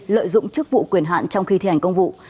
lợi dụng chức vụ quyền hạn trong khi thi hành công vụ